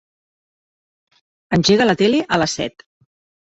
Engega la tele a les set.